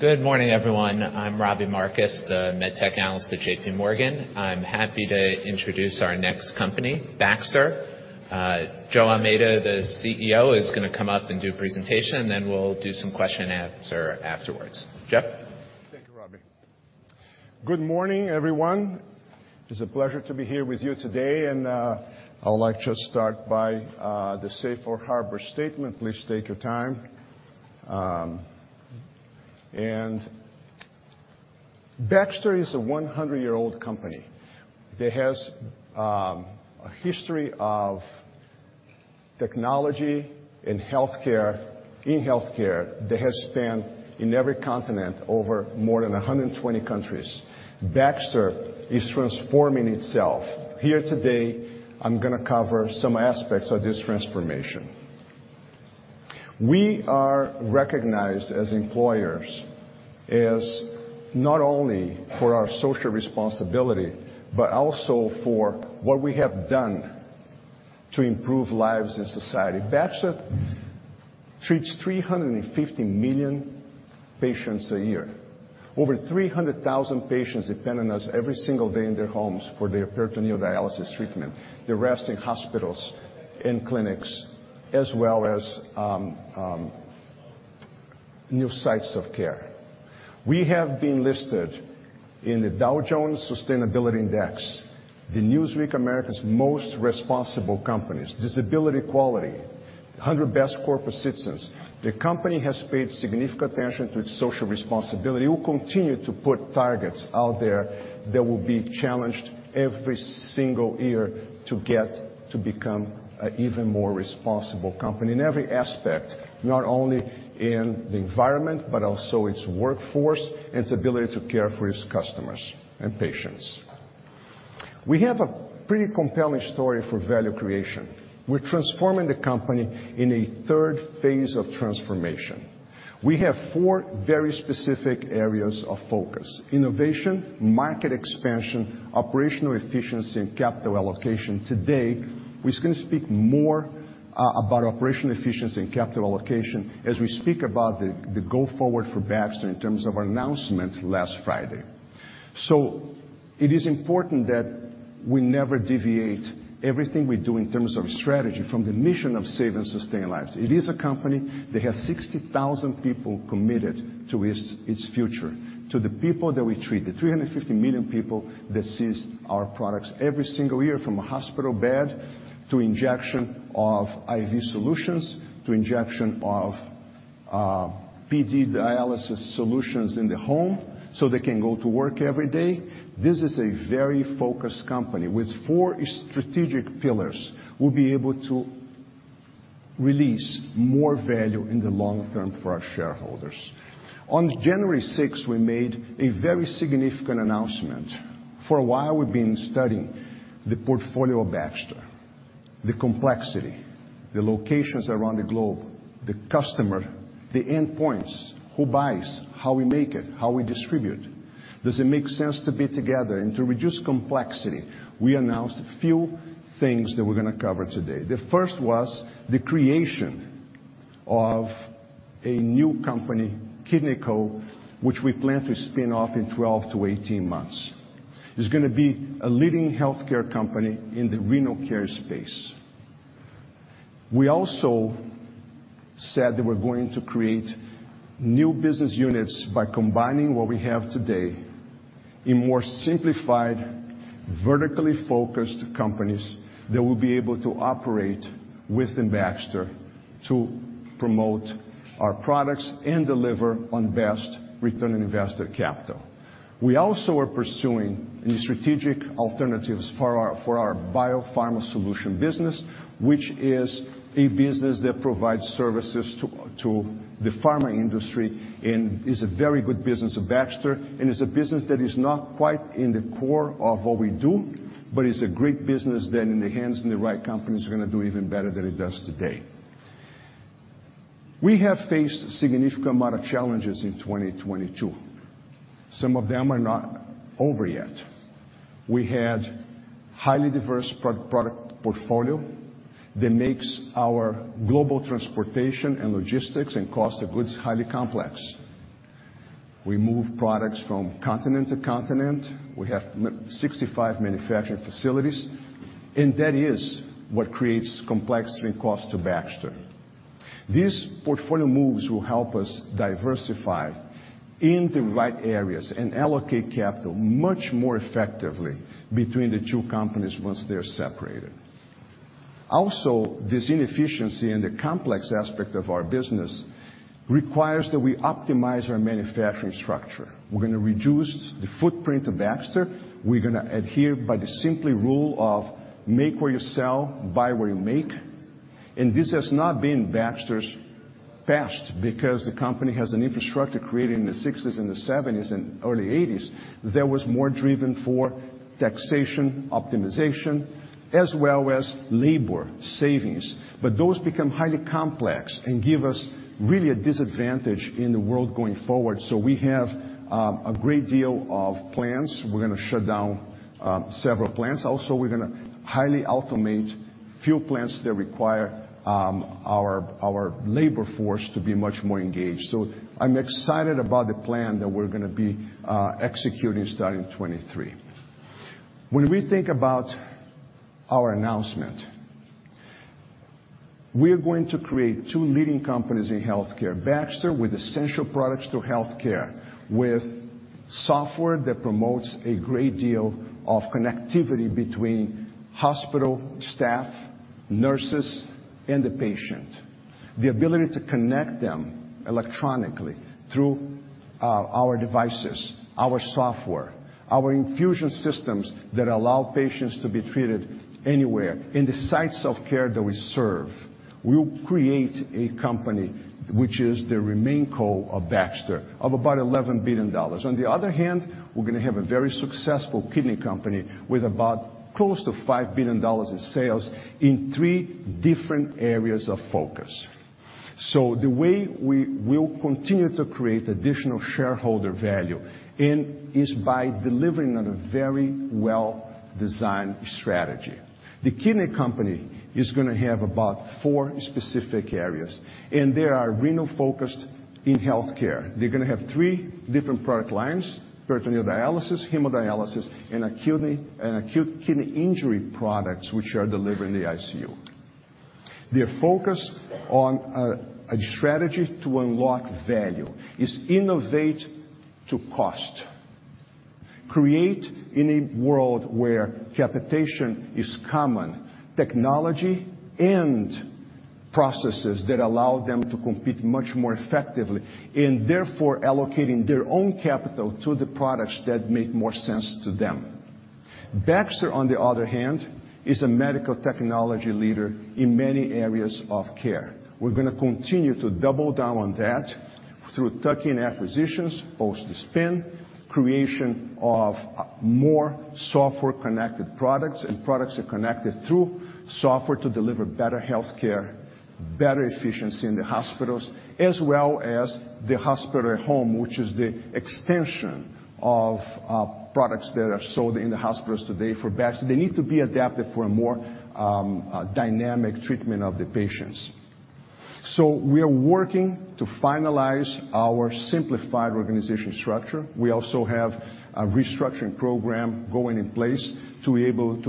Good morning, everyone. I'm Robbie Marcus, the medtech analyst at JPMorgan. I'm happy to introduce our next company, Baxter. Joe Almeida, the CEO, is gonna come up and do a presentation, and then we'll do some question-and-answer afterwards. Jeff? Thank you, Robbie. Good morning, everyone. It is a pleasure to be here with you today, and I'll like to start by the safe harbor statement. Please take your time. Baxter is a 100-year-old company that has a history of technology and healthcare, in healthcare that has spanned in every continent over more than 120 countries. Baxter is transforming itself. Here today, I'm gonna cover some aspects of this transformation. We are recognized as employers, as not only for our social responsibility, but also for what we have done to improve lives in society. Baxter treats 350 million patients a year. Over 300,000 patients depend on us every single day in their homes for their peritoneal dialysis treatment, the rest in hospitals and clinics, as well as new sites of care. We have been listed in the Dow Jones Sustainability Index, the Newsweek America's Most Responsible Companies, Disability Equality, 100 Best Corporate Citizens. The company has paid significant attention to its social responsibility. We'll continue to put targets out there that will be challenged every single year to get to become an even more responsible company in every aspect, not only in the environment but also its workforce and its ability to care for its customers and patients. We have a pretty compelling story for value creation. We're transforming the company in a third phase of transformation. We have four very specific areas of focus: innovation, market expansion, operational efficiency, and capital allocation. Today, we're just gonna speak more about operational efficiency and capital allocation as we speak about the go forward for Baxter in terms of our announcement last Friday. It is important that we never deviate everything we do in terms of strategy from the mission of save and sustain lives. It is a company that has 60,000 people committed to its future, to the people that we treat, the 350 million people that sees our products every single year from a hospital bed to injection of IV solutions to injection of PD dialysis solutions in the home so they can go to work every day. This is a very focused company. With four strategic pillars, we'll be able to release more value in the long term for our shareholders. On January 6th, we made a very significant announcement. For a while, we've been studying the portfolio of Baxter, the complexity, the locations around the globe, the customer, the endpoints, who buys, how we make it, how we distribute. Does it make sense to be together? To reduce complexity, we announced a few things that we're going to cover today. The first was the creation of a new company, Kidney Co., which we plan to spin off in 12 to 18 months. It's going to be a leading healthcare company in the Renal Care space. We also said that we're going to create new business units by combining what we have today in more simplified, vertically focused companies that will be able to operate within Baxter to promote our products and deliver on best return on investor capital. We also are pursuing new strategic alternatives for our BioPharma Solutions business, which is a business that provides services to the pharma industry and is a very good business of Baxter. It's a business that is not quite in the core of what we do, but it's a great business that in the hands of the right company is gonna do even better than it does today. We have faced a significant amount of challenges in 2022. Some of them are not over yet. We had highly diverse product portfolio that makes our global transportation and logistics and cost of goods highly complex. We move products from continent to continent. We have 65 manufacturing facilities, and that is what creates complexity and cost to Baxter. These portfolio moves will help us diversify in the right areas and allocate capital much more effectively between the two companies once they're separated. This inefficiency and the complex aspect of our business requires that we optimize our manufacturing structure. We're gonna reduce the footprint of Baxter. We're gonna adhere by the simply rule of make where you sell, buy where you make. This has not been Baxter's past because the company has an infrastructure created in the '60s and the '70s and early '80s that was more driven for taxation optimization as well as labor savings. Those become highly complex and give us really a disadvantage in the world going forward. We have a great deal of plans. We're gonna shut down several plants. Also, we're gonna highly automate few plants that require our labor force to be much more engaged. I'm excited about the plan that we're gonna be executing starting 2023. When we think about our announcement, we're going to create two leading companies in healthcare. Baxter, with essential products to healthcare, with software that promotes a great deal of connectivity between hospital staff, nurses, and the patient. The ability to connect them electronically through our devices, our software, our infusion systems that allow patients to be treated anywhere in the sites of care that we serve. We will create a company which is the RemainCo of Baxter, of about $11 billion. On the other hand, we're gonna have a very successful kidney company with about close to $5 billion in sales in three different areas of focus. The way we will continue to create additional shareholder value in, is by delivering on a very well-designed strategy. The kidney company is gonna have about four specific areas, and they are renal-focused in healthcare. They're gonna have three different product lines: peritoneal dialysis, hemodialysis, and acute kidney injury products which are delivered in the ICU. Their focus on a strategy to unlock value is innovate to cost. Create in a world where capitation is common, technology and processes that allow them to compete much more effectively, and therefore allocating their own capital to the products that make more sense to them. Baxter, on the other hand, is a medical technology leader in many areas of care. We're gonna continue to double down on that through tuck-in acquisitions, post the spin, creation of more software-connected products and products that connect through software to deliver better healthcare, better efficiency in the hospitals, as well as the hospital at home, which is the extension of products that are sold in the hospitals today for Baxter. They need to be adapted for a more dynamic treatment of the patients. We are working to finalize our simplified organization structure. We also have a restructuring program going in place to be able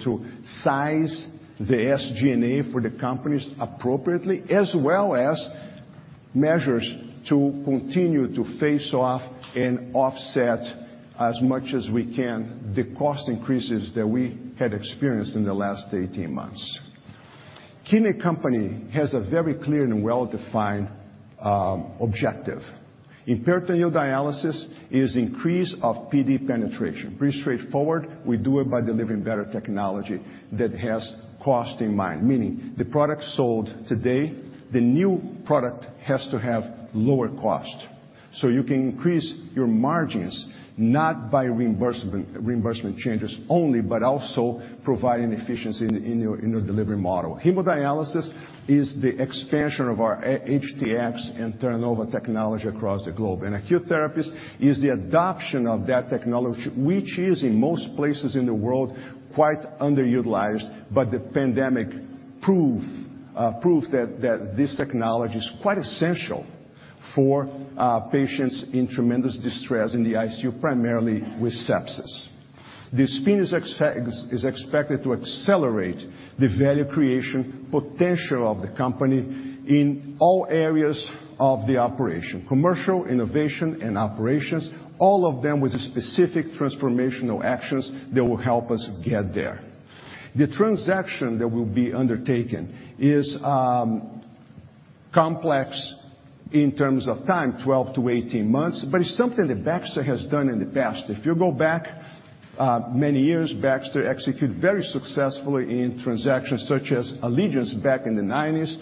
to size the SG&A for the companies appropriately, as well as measures to continue to face off and offset as much as we can the cost increases that we had experienced in the last 18 months. Kidney company has a very clear and well-defined objective. In peritoneal dialysis is increase of PD penetration. Pretty straightforward, we do it by delivering better technology that has cost in mind. Meaning the products sold today, the new product has to have lower cost, so you can increase your margins, not by reimbursement changes only, but also providing efficiency in the delivery model. Hemodialysis is the expansion of our HDFs and turnover technology across the globe. Acute therapies is the adoption of that technology, which is in most places in the world, quite underutilized. The pandemic proved that this technology is quite essential for patients in tremendous distress in the ICU, primarily with sepsis. The spin is expected to accelerate the value creation potential of the company in all areas of the operation. Commercial innovation and operations, all of them with specific transformational actions that will help us get there. The transaction that will be undertaken is complex in terms of time, 12-18 months, but it's something that Baxter has done in the past. If you go back many years, Baxter execute very successfully in transactions such as Allegiance back in the '90s.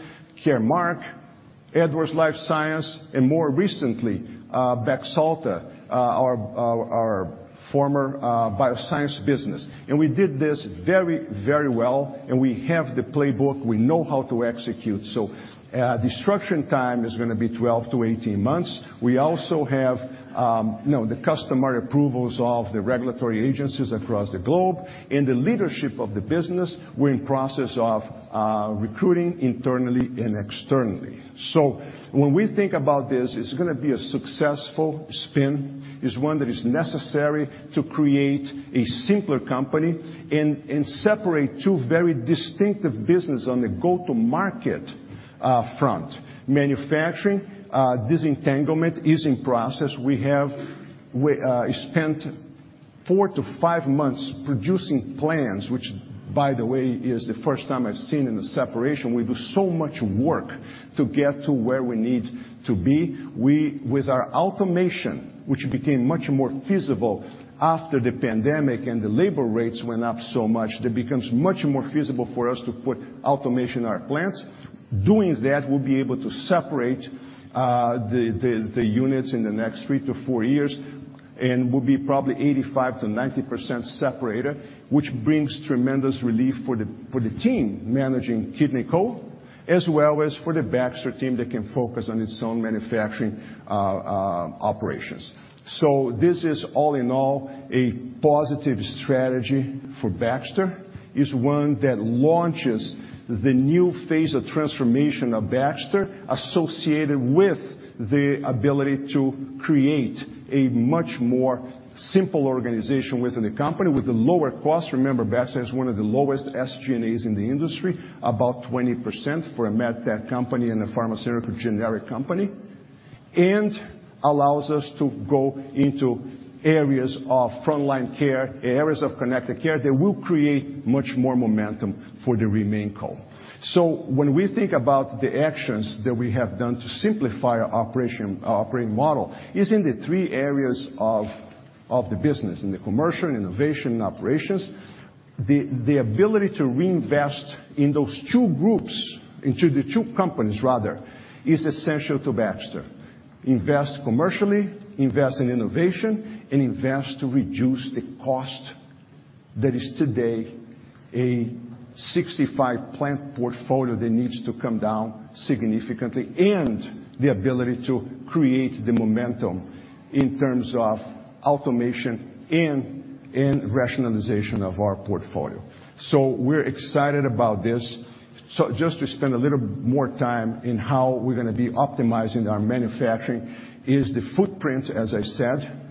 Caremark, Edwards Lifesciences, and more recently, Baxalta, our former, bioscience business. We did this very, very well, and we have the playbook. We know how to execute. The structuring time is gonna be 12-18 months. We also have, you know, the customer approvals of the regulatory agencies across the globe. The leadership of the business, we're in process of, recruiting internally and externally. When we think about this, it's gonna be a successful spin. It's one that is necessary to create a simpler company and separate two very distinctive business on the go-to-market, front. Manufacturing, disentanglement is in process. We spent four to five months producing plans, which, by the way, is the first time I've seen in a separation. We do so much work to get to where we need to be. We, with our automation, which became much more feasible after the pandemic and the labor rates went up so much, that becomes much more feasible for us to put automation in our plants. Doing that, we'll be able to separate the units in the next three to four years and we'll be probably 85%-90% separated, which brings tremendous relief for the team managing Kidney Co., as well as for the Baxter team that can focus on its own manufacturing operations. This is all in all a positive strategy for Baxter. It's one that launches the new phase of transformation of Baxter associated with the ability to create a much more simple organization within the company with a lower cost. Remember, Baxter has one of the lowest SG&As in the industry, about 20% for a med tech company and a pharmaceutical generic company. Allows us to go into areas of Front Line Care, areas of connected care that will create much more momentum for the RemainCo. When we think about the actions that we have done to simplify our operation, our operating model, it's in the three areas of the business, in the commercial, innovation, and operations. The ability to reinvest in those two groups, into the two companies rather, is essential to Baxter. Invest commercially, invest in innovation, and invest to reduce the cost that is today a 65 plant portfolio that needs to come down significantly, and the ability to create the momentum in terms of automation and rationalization of our portfolio. We're excited about this. Just to spend a little more time in how we're gonna be optimizing our manufacturing is the footprint, as I said,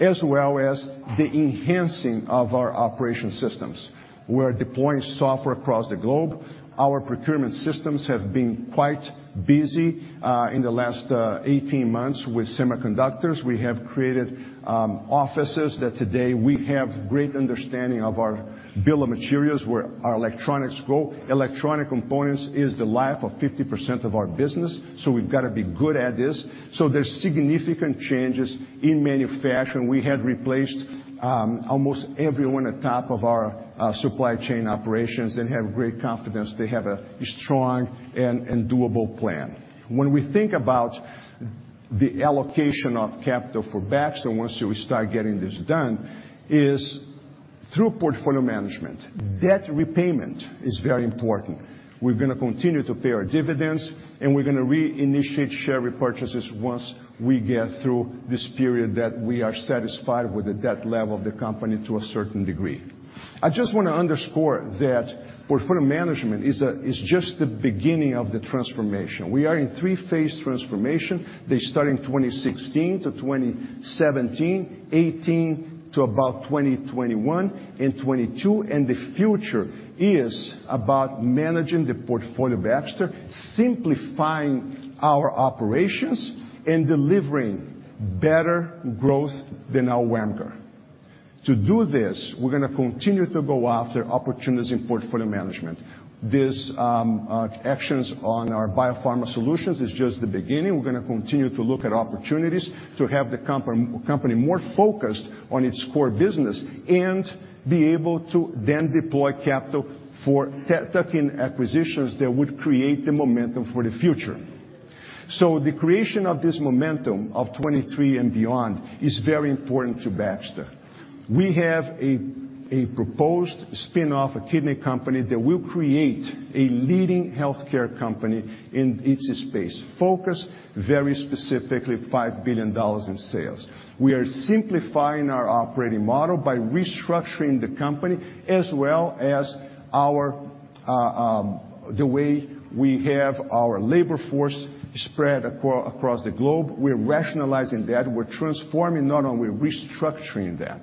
as well as the enhancing of our operation systems. We're deploying software across the globe. Our procurement systems have been quite busy in the last 18 months with semiconductors. We have created offices that today we have great understanding of our bill of materials, where our electronics go. Electronic components is the life of 50% of our business, so we've gotta be good at this. There's significant changes in manufacturing. We had replaced almost everyone at top of our supply chain operations and have great confidence. They have a strong and doable plan. When we think about the allocation of capital for Baxter, once we start getting this done, is through portfolio management. Debt repayment is very important. We're gonna continue to pay our dividends, and we're gonna re-initiate share repurchases once we get through this period that we are satisfied with the debt level of the company to a certain degree. I just wanna underscore that portfolio management is just the beginning of the transformation. We are in three-phase transformation that started in 2016 to 2017, 2018 to about 2021 and 2022. The future is about managing the portfolio of Baxter, simplifying our operations, and delivering better growth than our WAMGR. To do this, we're gonna continue to go after opportunities in portfolio management. These actions on our BioPharma Solutions is just the beginning. We're gonna continue to look at opportunities to have the company more focused on its core business and be able to then deploy capital for tech and acquisitions that would create the momentum for the future. The creation of this momentum of 2023 and beyond is very important to Baxter. We have a proposed spinoff, a kidney company that will create a leading healthcare company in its space, focused very specifically $5 billion in sales. We are simplifying our operating model by restructuring the company as well as our the way we have our labor force spread across the globe. We're rationalizing that. We're transforming, not only restructuring that.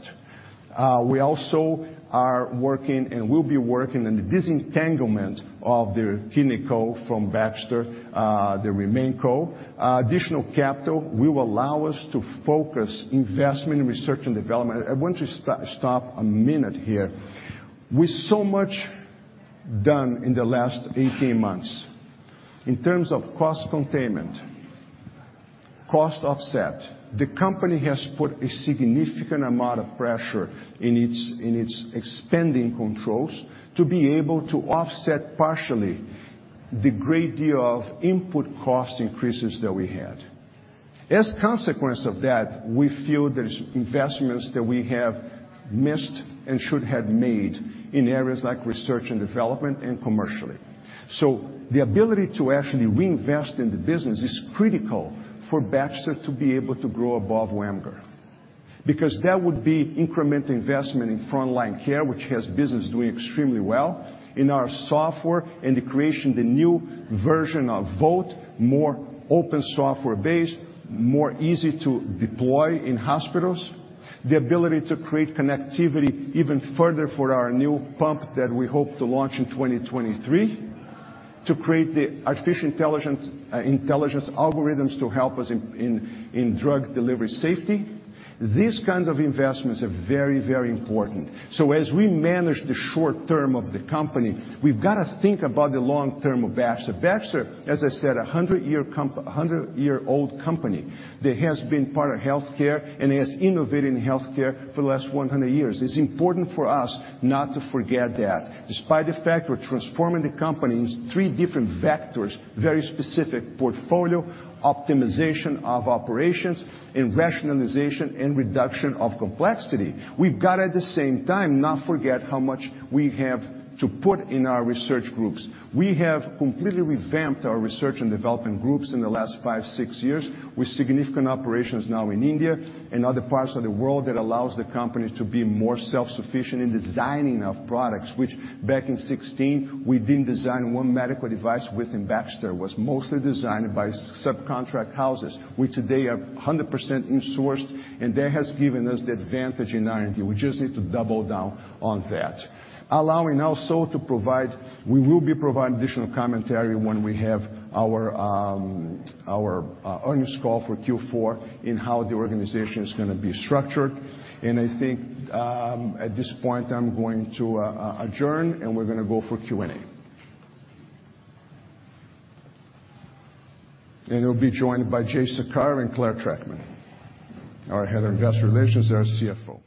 We also are working and will be working on the disentanglement of the kidney co from Baxter, the RemainCo. Additional capital will allow us to focus investment in research and development. I want to stop a minute here. With so much done in the last 18 months, in terms of cost containment, cost offset, the company has put a significant amount of pressure in its expanding controls to be able to offset partially the great deal of input cost increases that we had. Consequence of that, we feel there's investments that we have missed and should have made in areas like R&D and commercially. The ability to actually reinvest in the business is critical for Baxter to be able to grow above WAMGR. That would be incremental investment in Front Line Care, which has business doing extremely well. In our software, in the creation of the new version of Voalte, more open software based, more easy to deploy in hospitals. The ability to create connectivity even further for our new pump that we hope to launch in 2023. To create the artificial intelligence algorithms to help us in drug delivery safety. These kinds of investments are very, very important. As we manage the short term of the company, we've gotta think about the long term of Baxter. Baxter, as I said, a 100-year-old company that has been part of healthcare and has innovated in healthcare for the last 100 years. It's important for us not to forget that. Despite the fact we're transforming the company into three different vectors, very specific portfolio, optimization of operations, and rationalization and reduction of complexity. We've got, at the same time, not forget how much we have to put in our research groups. We have completely revamped our research and development groups in the last five, six years with significant operations now in India and other parts of the world that allows the company to be more self-sufficient in designing of products, which back in 2016, we didn't design one medical device within Baxter, was mostly designed by subcontract houses. We today are 100% insourced, and that has given us the advantage in R&D. We just need to double down on that. We will be providing additional commentary when we have our earnings call for Q4 in how the organization is gonna be structured. I think, at this point I'm going to adjourn, we're gonna go for Q&A. We'll be joined by Jay Saccaro and Clare Trachtman, our Head of Investor Relations and our CFO.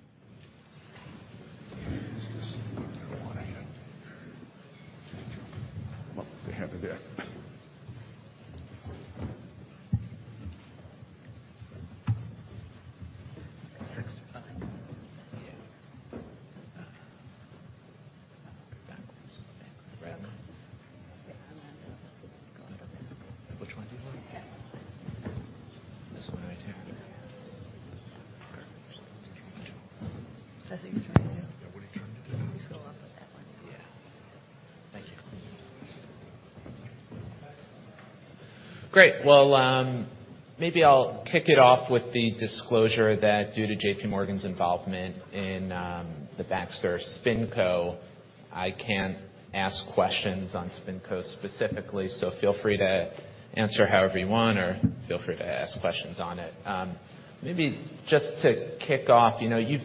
Is this the one I hit? Thank you. Oh, they have it there. Extra time. Yeah. That one's been wrapped. Yeah, I know. Which one do you want? This one right here? Yeah. Perfect. That's what you're trying to do? Yeah. What are you trying to do? Just go up with that one. Yeah. Thank you. Great. Well, maybe I'll kick it off with the disclosure that due to JPMorgan's involvement in the Baxter SpinCo, I can't ask questions on SpinCo specifically, so feel free to answer however you want or feel free to ask questions on it. Maybe just to kick off, you know, you've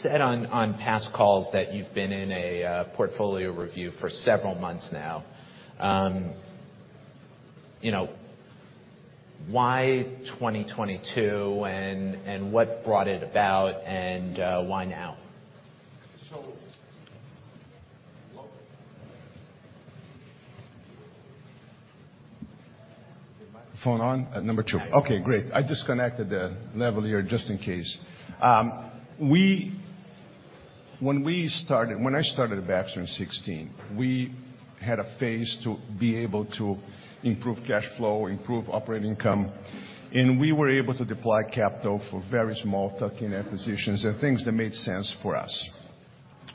said on past calls that you've been in a portfolio review for several months now. You know, why 2022, and what brought it about, and why now? Is it mic? Phone on at number two. Yeah. Okay, great. I just connected the level here just in case. When I started at Baxter in 2016, we had a phase to be able to improve cash flow, improve operating income. We were able to deploy capital for very small tuck-in acquisitions and things that made sense for us.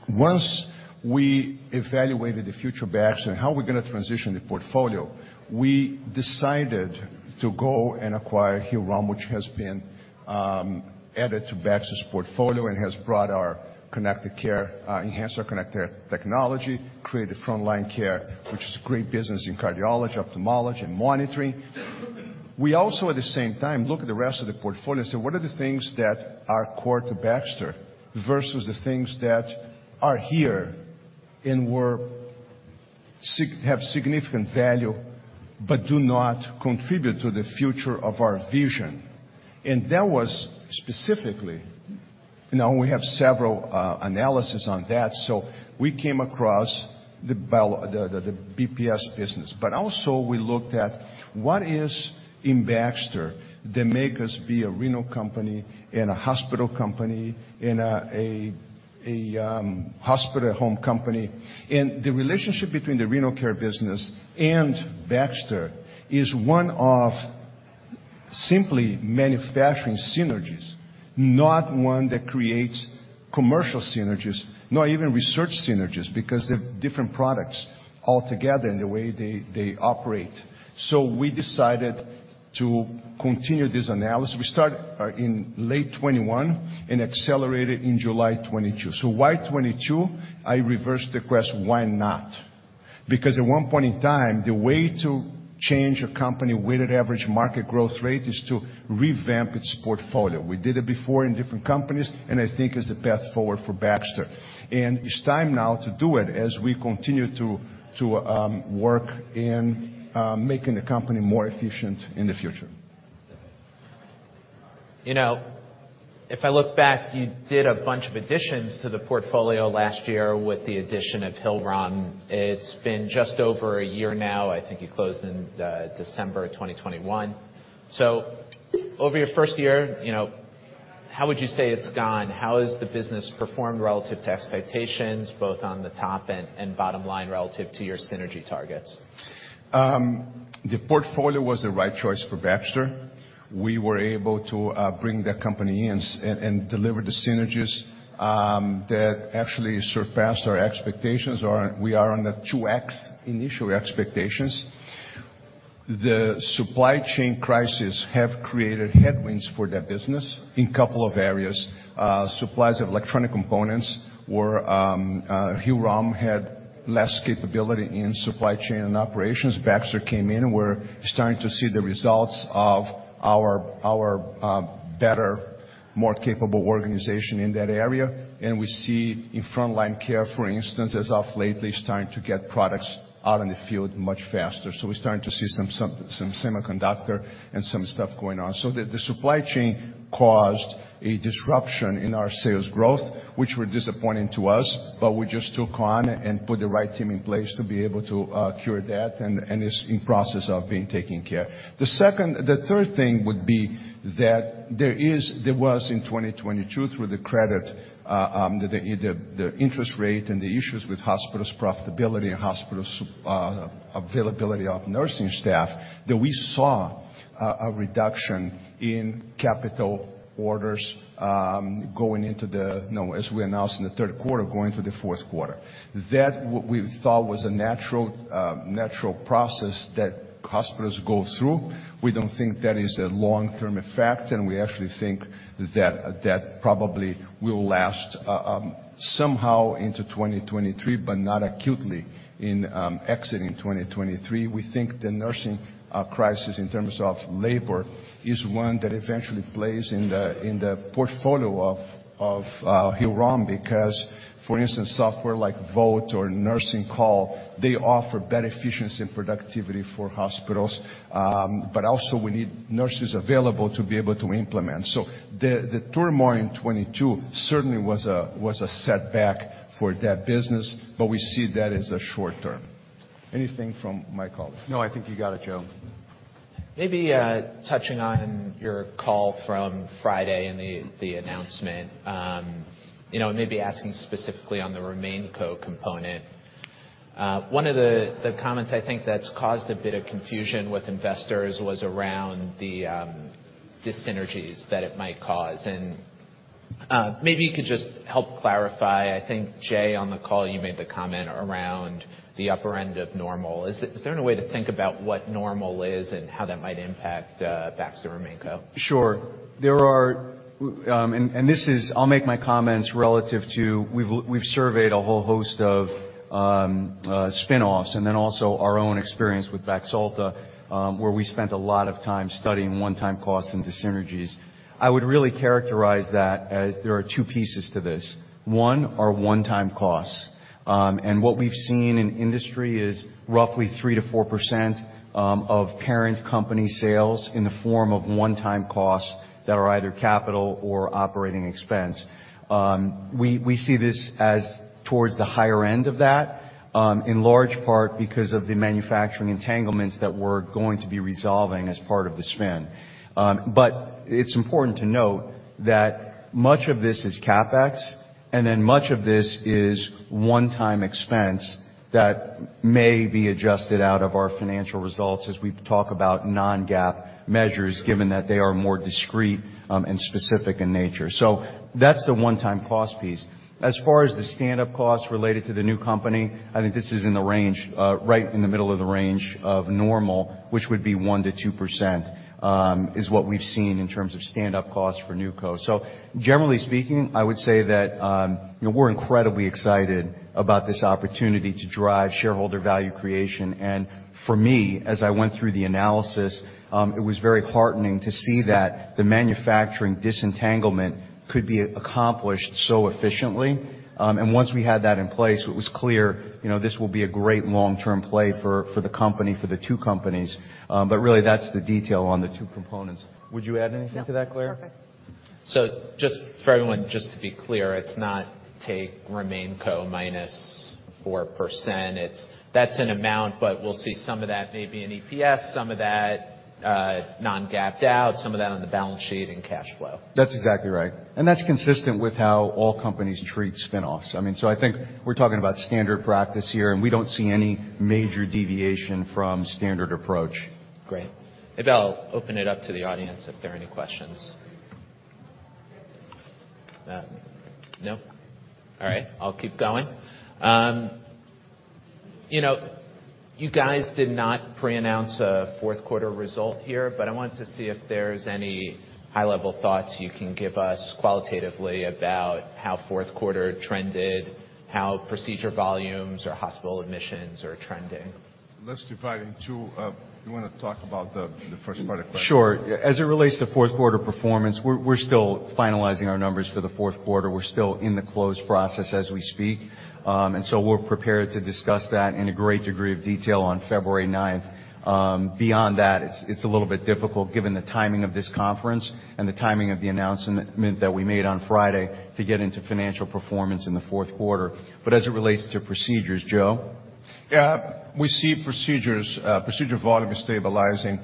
Once we evaluated the future of Baxter and how we're gonna transition the portfolio, we decided to go and acquire Hillrom, which has been added to Baxter's portfolio and has brought our connected care, enhanced our connected technology, created Front Line Care, which is a great business in cardiology, ophthalmology, monitoring. We also, at the same time, looked at the rest of the portfolio and said, "What are the things that are core to Baxter versus the things that are here and have significant value but do not contribute to the future of our vision?" That was specifically... Now we have several analysis on that, so we came across the BPS business. Also we looked at what is in Baxter that make us be a renal company and a hospital company and a hospital at home company. The relationship between the renal care business and Baxter is one of simply manufacturing synergies, not one that creates commercial synergies, not even research synergies, because they have different products altogether in the way they operate. We decided to continue this analysis. We started in late 2021 and accelerated in July 2022. Why 2022? I reverse the quest. Why not? Because at one point in time, the way to change a company weighted average market growth rate is to revamp its portfolio. We did it before in different companies, and I think it's the path forward for Baxter. It's time now to do it as we continue to work in making the company more efficient in the future. You know, if I look back, you did a bunch of additions to the portfolio last year with the addition of Hillrom. It's been just over a year now. I think you closed in December 2021. Over your first year, you know, how would you say it's gone? How has the business performed relative to expectations, both on the top and bottom line relative to your synergy targets? The portfolio was the right choice for Baxter. We were able to bring the company in and deliver the synergies that actually surpassed our expectations. We are on the 2x initial expectations. The supply chain crisis have created headwinds for that business in couple of areas. Supplies of electronic components were Hillrom had less capability in supply chain and operations. Baxter came in. We're starting to see the results of our better, more capable organization in that area. We see in Front Line Care, for instance, as of late, they're starting to get products out in the field much faster. We're starting to see some semiconductor and some stuff going on. The supply chain caused a disruption in our sales growth, which were disappointing to us, but we just took on and put the right team in place to be able to cure that, and it's in process of being taken care. The third thing would be that there was in 2022 through the credit, the interest rate and the issues with hospitals' profitability and hospitals' availability of nursing staff, that we saw a reduction in capital orders, going into the, you know, as we announced in the third quarter, going to the fourth quarter. That we thought was a natural process that hospitals go through. We don't think that is a long-term effect, and we actually think that that probably will last, somehow into 2023, but not acutely in, exiting 2023. We think the nursing crisis in terms of labor is one that eventually plays in the portfolio of Hillrom because, for instance, software like Voalte or Nursing Call, they offer better efficiency and productivity for hospitals, but also we need nurses available to be able to implement. The turmoil in 2022 certainly was a setback for that business, but we see that as a short term. Anything from my colleague? No, I think you got it, Joe. Maybe, touching on your call from Friday and the announcement, you know, maybe asking specifically on the RemainCo component. One of the comments I think that's caused a bit of confusion with investors was around the dyssynergies that it might cause. Maybe you could just help clarify. I think, Jay, on the call, you made the comment around the upper end of normal. Is there any way to think about what normal is and how that might impact Baxter RemainCo? Sure. I'll make my comments relative to we've surveyed a whole host of spinoffs and then also our own experience with Baxalta, where we spent a lot of time studying one-time costs and dyssynergies. I would really characterize that as there are two pieces to this. One are one-time costs. What we've seen in industry is roughly 3%-4% of parent company sales in the form of one-time costs that are either capital or operating expense. We see this as towards the higher end of that, in large part because of the manufacturing entanglements that we're going to be resolving as part of the spin. It's important to note that much of this is CapEx, and then much of this is one-time expense that may be adjusted out of our financial results as we talk about non-GAAP measures, given that they are more discrete and specific in nature. That's the one-time cost piece. As far as the stand-up costs related to the new company, I think this is in the range, right in the middle of the range of normal, which would be 1%-2%, is what we've seen in terms of stand-up costs for NewCo. Generally speaking, I would say that, you know, we're incredibly excited about this opportunity to drive shareholder value creation. For me, as I went through the analysis, it was very heartening to see that the manufacturing disentanglement could be accomplished so efficiently. Once we had that in place, it was clear, you know, this will be a great long-term play for the company, for the two companies. Really that's the detail on the two components. Would you add anything to that, Clare? No. It's perfect. Just for everyone just to be clear, it's not take RemainCo -4%. It's that's an amount, but we'll see some of that maybe in EPS, some of that non-GAAP out, some of that on the balance sheet and cash flow. That's exactly right. That's consistent with how all companies treat spinoffs. I mean, I think we're talking about standard practice here, we don't see any major deviation from standard approach. Great. Maybe I'll open it up to the audience if there are any questions. No? All right, I'll keep going. You know, you guys did not preannounce a fourth quarter result here. I wanted to see if there's any high-level thoughts you can give us qualitatively about how fourth quarter trended, how procedure volumes or hospital admissions are trending. Let's divide in two. You wanna talk about the first part of question? Sure. As it relates to fourth quarter performance, we're still finalizing our numbers for the fourth quarter. We're still in the close process as we speak. We're prepared to discuss that in a great degree of detail on February 9th. Beyond that, it's a little bit difficult given the timing of this conference and the timing of the announcement that we made on Friday to get into financial performance in the fourth quarter. As it relates to procedures, Joe? Yeah. We see procedures, procedure volume stabilizing,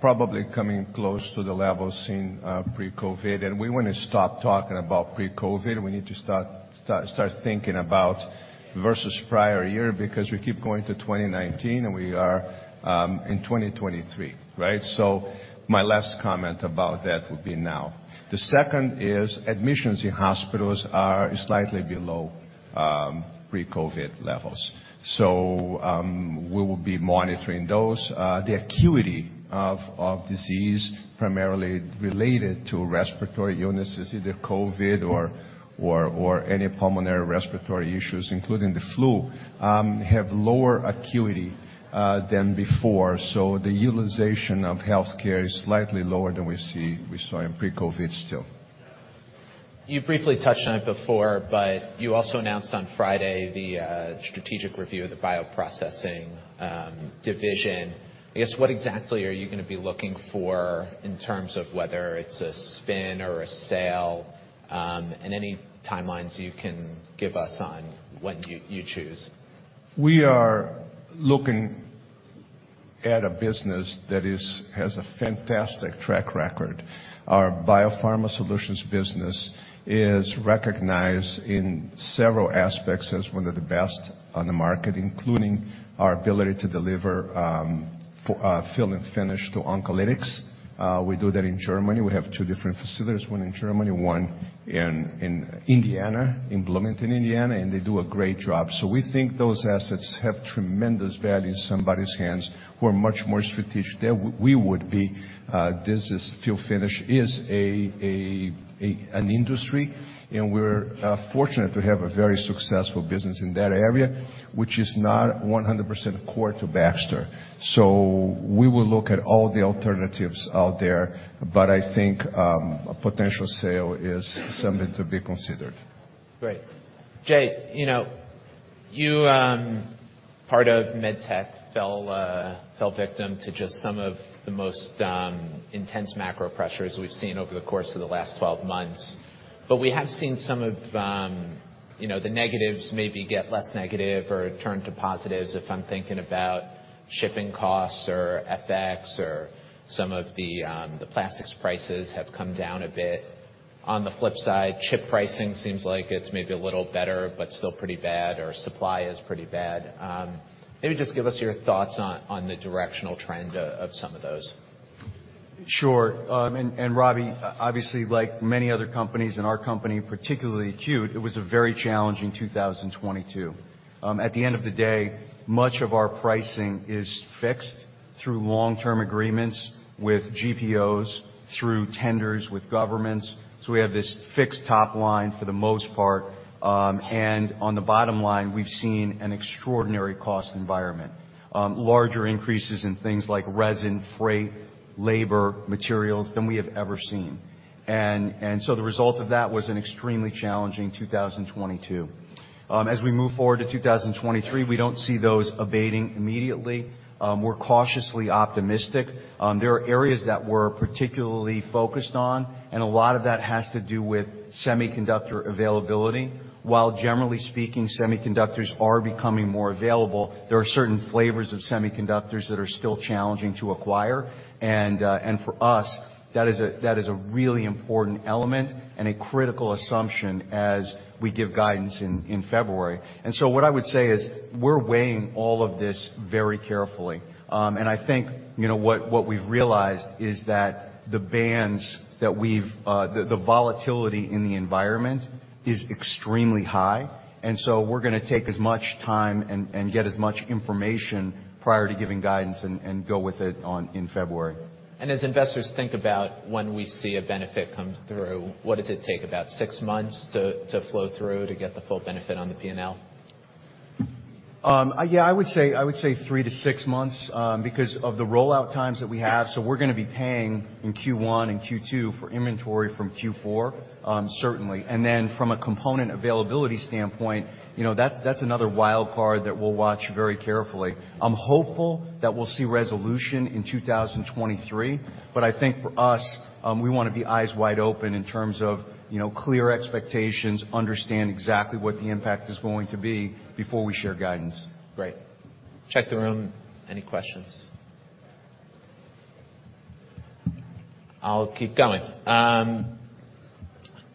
probably coming close to the levels in pre-COVID. We want to stop talking about pre-COVID. We need to start thinking about versus prior year because we keep going to 2019, and we are in 2023, right? My last comment about that would be now. The second is admissions in hospitals are slightly below pre-COVID levels. We will be monitoring those. The acuity of disease primarily related to respiratory illness is either COVID or any pulmonary respiratory issues, including the flu, have lower acuity than before. The utilization of health care is slightly lower than we saw in pre-COVID still. You briefly touched on it before, but you also announced on Friday the strategic review of the bioprocessing division. I guess, what exactly are you going to be looking for in terms of whether it's a spin or a sale, and any timelines you can give us on when you choose? We are looking at a business that has a fantastic track record. Our BioPharma Solutions business is recognized in several aspects as one of the best on the market, including our ability to deliver fill and finish to oncolytics. We do that in Germany. We have two different facilities, one in Germany, one in Indiana, in Bloomington, Indiana, and they do a great job. We think those assets have tremendous value in somebody's hands who are much more strategic than we would be. This is fill-finish is an industry, and we're fortunate to have a very successful business in that area, which is not 100% core to Baxter. We will look at all the alternatives out there, but I think a potential sale is something to be considered. Great. Jay, you know, you, part of med tech fell victim to just some of the most intense macro pressures we've seen over the course of the last 12 months. We have seen some of, you know, the negatives maybe get less negative or turn to positives if I'm thinking about shipping costs or FX or some of the plastics prices have come down a bit. On the flip side, chip pricing seems like it's maybe a little better but still pretty bad or supply is pretty bad. Maybe just give us your thoughts on the directional trend of some of those. Sure. Robbie, obviously, like many other companies in our company, particularly acute, it was a very challenging 2022. At the end of the day, much of our pricing is fixed through long-term agreements with GPOs, through tenders with governments. We have this fixed top line for the most part. On the bottom line, we've seen an extraordinary cost environment, larger increases in things like resin, freight, labor, materials than we have ever seen. The result of that was an extremely challenging 2022. As we move forward to 2023, we don't see those abating immediately. We're cautiously optimistic. There are areas that we're particularly focused on, and a lot of that has to do with semiconductor availability. While generally speaking, semiconductors are becoming more available, there are certain flavors of semiconductors that are still challenging to acquire. For us, that is a really important element and a critical assumption as we give guidance in February. What I would say is we're weighing all of this very carefully. I think, you know, what we've realized is that the bands that we've, the volatility in the environment is extremely high. We're going to take as much time and get as much information prior to giving guidance and go with it in February. As investors think about when we see a benefit come through, what does it take, about six months to flow through to get the full benefit on the P&L? Yeah, I would say three to six months because of the rollout times that we have. We're going to be paying in Q1 and Q2 for inventory from Q4, certainly. From a component availability standpoint, you know, that's another wild card that we'll watch very carefully. I'm hopeful that we'll see resolution in 2023, I think for us, we want to be eyes wide open in terms of, you know, clear expectations, understand exactly what the impact is going to be before we share guidance. Great. Check the room. Any questions? I'll keep going.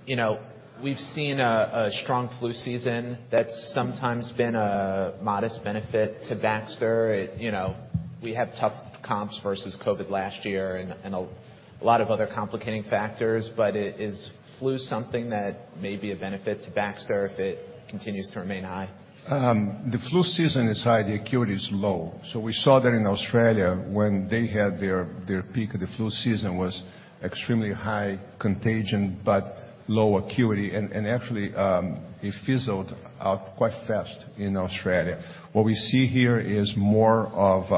you know, we've seen a strong flu season that's sometimes been a modest benefit to Baxter. you know, we have tough comps versus COVID last year and a lot of other complicating factors. Is flu something that may be a benefit to Baxter if it continues to remain high? The flu season is high, the acuity is low. We saw that in Australia when they had their peak of the flu season was extremely high contagion, but low acuity. Actually, it fizzled out quite fast in Australia. What we see here is more of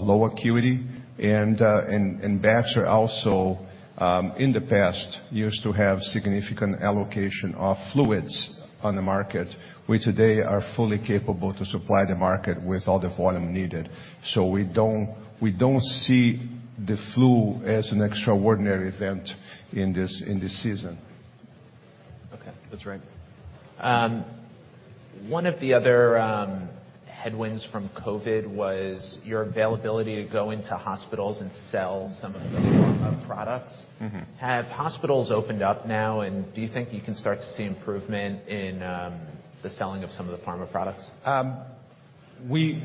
low acuity. Baxter also, in the past, used to have significant allocation of fluids on the market. We today are fully capable to supply the market with all the volume needed. We don't see the flu as an extraordinary event in this season. Okay. That's right. One of the other headwinds from COVID was your availability to go into hospitals and sell some of the pharma products. Mm-hmm. Have hospitals opened up now, and do you think you can start to see improvement in the selling of some of the pharma products. If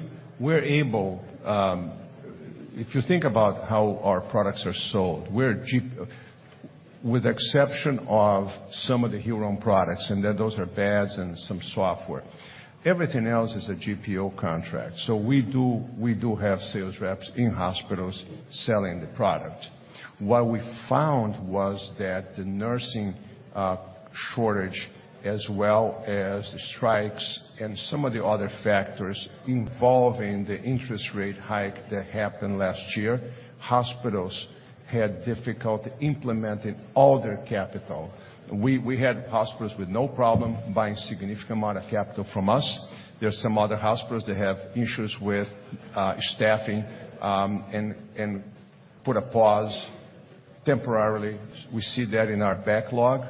you think about how our products are sold, With exception of some of the Hillrom products, and that those are beds and some software, everything else is a GPO contract. We do have sales reps in hospitals selling the product. What we found was that the nursing shortage, as well as the strikes and some of the other factors involving the interest rate hike that happened last year, hospitals had difficulty implementing all their capital. We had hospitals with no problem buying significant amount of capital from us. There are some other hospitals that have issues with staffing and put a pause temporarily. We see that in our backlog.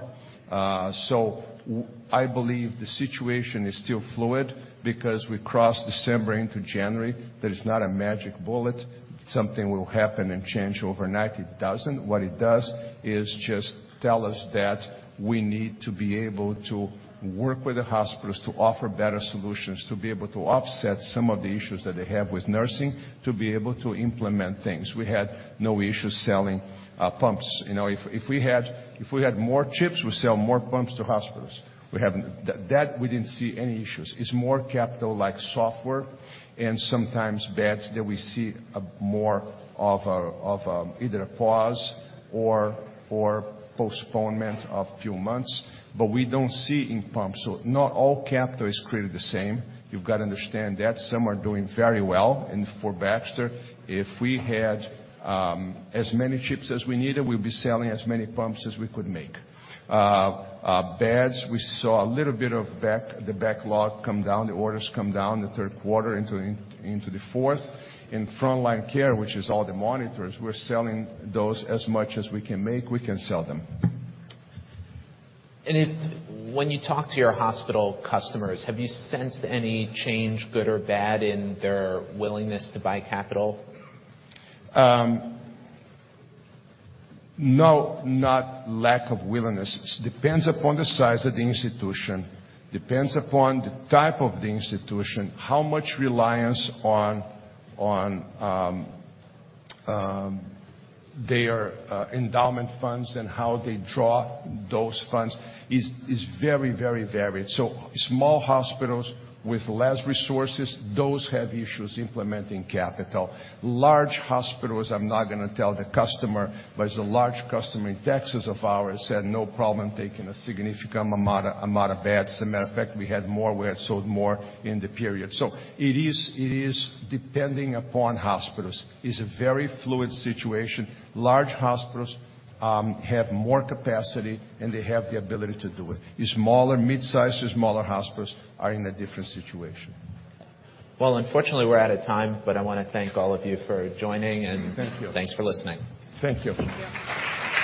I believe the situation is still fluid because we crossed December into January. That is not a magic bullet. Something will happen and change overnight. It doesn't. What it does is just tell us that we need to be able to work with the hospitals to offer better solutions, to be able to offset some of the issues that they have with nursing, to be able to implement things. We had no issue selling pumps. You know, if we had more chips, we sell more pumps to hospitals. We didn't see any issues. It's more capital like software and sometimes beds that we see a more of a either a pause or postponement of few months. We don't see in pumps. Not all capital is created the same. You've got to understand that. Some are doing very well. For Baxter, if we had as many chips as we needed, we'd be selling as many pumps as we could make. Beds, we saw a little bit of the backlog come down, the orders come down the third quarter into the fourth. In Front Line Care, which is all the monitors, we're selling those as much as we can make, we can sell them. When you talk to your hospital customers, have you sensed any change, good or bad, in their willingness to buy capital? No, not lack of willingness. Depends upon the size of the institution, depends upon the type of the institution, how much reliance on their endowment funds and how they draw those funds is very, very varied. Small hospitals with less resources, those have issues implementing CapEx. Large hospitals, I'm not gonna tell the customer, but there's a large customer in Texas of ours had no problem taking a significant amount of beds. As a matter of fact, we had sold more in the period. It is depending upon hospitals. It's a very fluid situation. Large hospitals have more capacity, and they have the ability to do it. The smaller, mid-size to smaller hospitals are in a different situation. Well, unfortunately, we're out of time, but I wanna thank all of you for joining. Thank you. Thanks for listening. Thank you. Thank you.